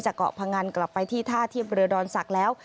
จากเกาะพังงานกลับไปที่ท่าเทียงเรือดาร์สักแล้ว